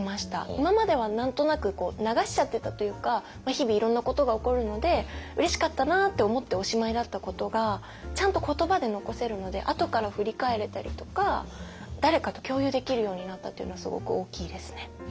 今までは何となくこう流しちゃってたというか日々いろんなことが起こるのでうれしかったなって思っておしまいだったことがちゃんと言葉で残せるのであとから振り返れたりとか誰かと共有できるようになったっていうのがすごく大きいですね。